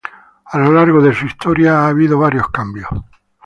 A lo largo de su historia ha habido varios cambios.